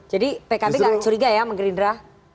pkb gak curiga ya sama gerindra